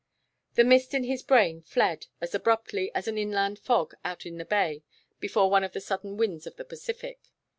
The mist in his brain fled as abruptly as an inland fog out in the bay before one of the sudden winds of the Pacific.